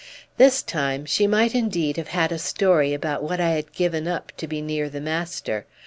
This time she might indeed have had a story about what I had given up to be near the master.